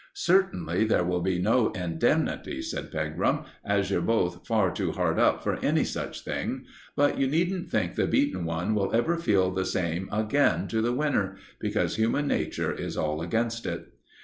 "Certainly there will be no indemnity," said Pegram, "as you're both far too hard up for any such thing; but you needn't think the beaten one will ever feel the same again to the winner; because human nature is all against it."